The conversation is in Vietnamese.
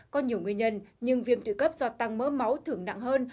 có nhiều nguyên nhân nhưng viêm tụy cấp do tăng mỡ máu thưởng nặng hơn